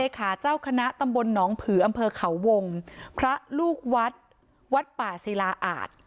ขาเจ้าคณะตำบลหนองผืออำเภอเขาวงพระลูกวัดวัดป่าศิลาอาจ